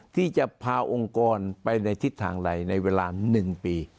ที่จะพาองค์กรไปในทิศทางใดในเวลา๑ปี